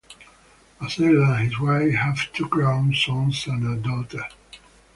Vasella and his wife have two grown sons and a daughter.